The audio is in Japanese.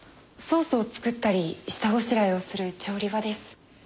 ソースを作ったり下ごしらえをする調理場です。